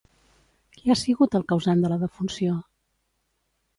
Qui ha sigut el causant de la defunció?